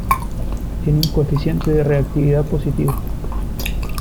Tiene un coeficiente de reactividad positivo.